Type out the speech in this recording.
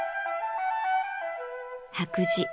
「白磁」